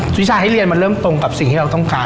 วิชาให้เรียนมันเริ่มตรงกับสิ่งที่เราต้องการ